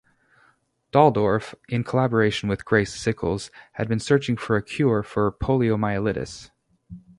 Dalldorf, in collaboration with Grace Sickles, had been searching for a cure for poliomyelitis.